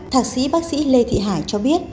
thạc sĩ bác sĩ lê thị hải cho biết